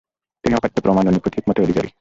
তিনি অকাট্য প্রমাণ ও নিখুঁত হিকমতের অধিকারী।